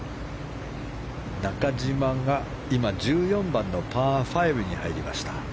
中島が今、１４番のパー５に入りました。